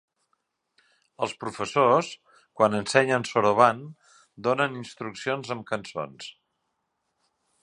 Els professors, quan ensenyen soroban, donen instruccions amb cançons.